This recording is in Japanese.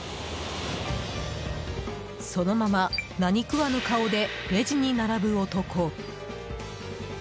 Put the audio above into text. そのまま何食わぬ顔でレジに並ぶ男。